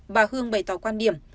bà hương bày tỏ quan điểm